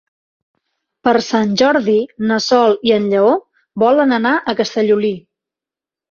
Per Sant Jordi na Sol i en Lleó volen anar a Castellolí.